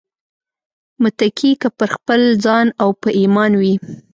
متکي که پر خپل ځان او په ايمان وي